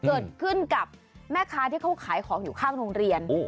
เกิดขึ้นกับแม่ค้าที่เขาขายของอยู่ข้างโรงเรียน